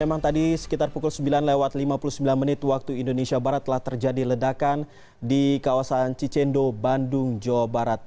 memang tadi sekitar pukul sembilan lewat lima puluh sembilan menit waktu indonesia barat telah terjadi ledakan di kawasan cicendo bandung jawa barat